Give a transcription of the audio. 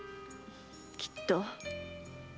きっと。